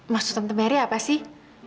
maksud tante mary apa sih